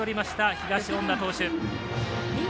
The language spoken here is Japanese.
東恩納投手。